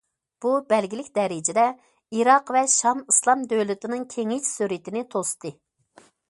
بۇ بەلگىلىك دەرىجىدە ئىراق ۋە شام ئىسلام دۆلىتىنىڭ كېڭىيىش سۈرئىتىنى توستى.